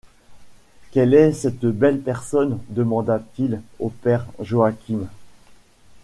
Quelle est cette belle personne? demanda-t-il au père Joachim.